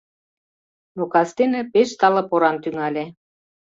Но кастене пеш тале поран тӱҥале.